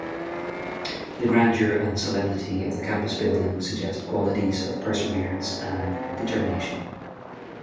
The grandeur and solemnity of the campus building suggest qualities of perseverance and determination.